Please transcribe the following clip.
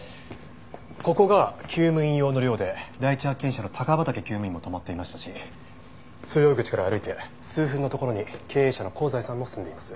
ここが厩務員用の寮で第一発見者の高畠厩務員も泊まっていましたし通用口から歩いて数分の所に経営者の香西さんも住んでいます。